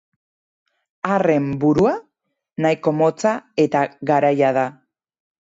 Arren burua nahiko motza eta garaia da.